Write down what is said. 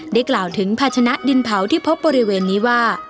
กล่าวถึงภาชนะดินเผาที่พบบริเวณนี้ว่า